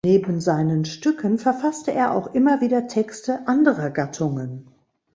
Neben seinen Stücken verfasste er auch immer wieder Texte anderer Gattungen.